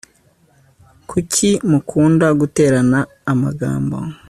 Kuki mukunda guterana amagambo